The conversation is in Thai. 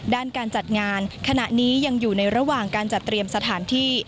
ด้านการจัดงานขณะนี้ยังอยู่ในระหว่างการจัดเตรียมสถานที่